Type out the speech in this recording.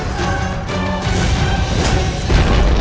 peras ini menyingkirlah